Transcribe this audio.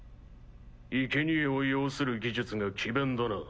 いけにえを要する技術が詭弁だな。